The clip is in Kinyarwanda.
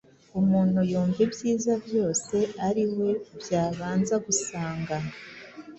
Umuntu yumva ibyiza byose ari we byabanza gusanga,